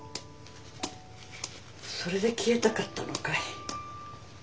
それで消えたかったのかい。